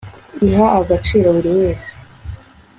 iha agaciro buri wese